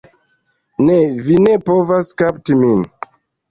Ne, vi ne povas kapti min.